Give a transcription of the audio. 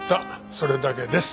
それだけです。